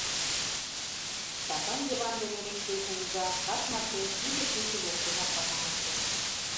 Стапан Йыван ден Элексей кугыза кас марте тиде пӱнчӧ воктенак пашам ыштышт.